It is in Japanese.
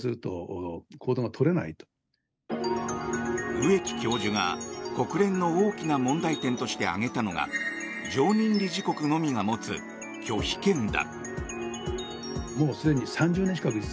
植木教授が国連の大きな問題点として挙げたのが常任理事国のみが持つ拒否権だ。